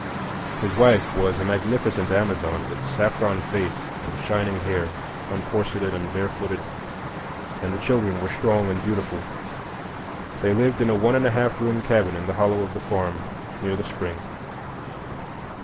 His wife was a magnificent Amazon, with saffron face and shining hair, uncorseted and barefooted, and the children were strong and beautiful. They lived in a one and a half room cabin in the hollow of the farm, near the spring.